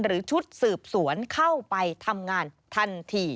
หรือชุดสืบสวนเข้าไปทำงานทันที